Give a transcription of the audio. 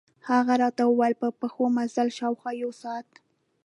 هغه راته ووېل په پښو مزل، شاوخوا یو ساعت.